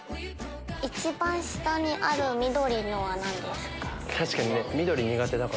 一番下にある緑のは何ですか？